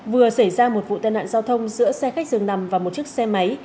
vừa xảy ra một vụ tai nạn giao thông giữa xe khách dường nằm và một chiếc xe máy